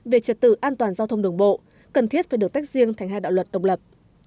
về trật tự an toàn giao thông đường bộ cần thiết phải được tách riêng thành hai đạo luật độc lập